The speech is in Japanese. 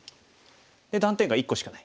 断点が１個しかない。